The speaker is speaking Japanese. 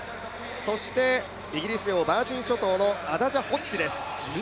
そしてイギリス領ヴァージン諸島のアダジャ・ホッジです。